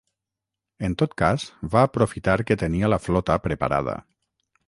En tot cas va aprofitar que tenia la flota preparada.